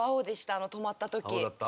あの止まった時。